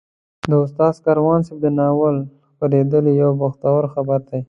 د استاد کاروان صاحب د ناول خپرېدل یو بختور خبر دی.